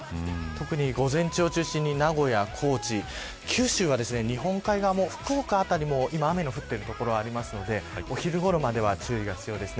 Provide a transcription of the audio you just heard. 特に午前中を中心に名古屋高知九州は日本海側、福岡辺りも今雨が降っている所がありますのでお昼ごろまでは注意が必要です。